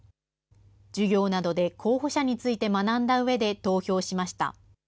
授業などで候補者について学んだうえで投票しました。